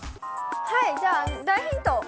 じゃあ、大ヒント。